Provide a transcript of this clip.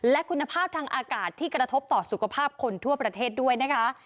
และคุณภาพทางอากาศที่กระทบต่อสุขภาพคนทั่วประเทศด้วยนะคะ